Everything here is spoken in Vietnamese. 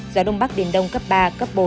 gió đông bắc đến đông cấp ba cấp bốn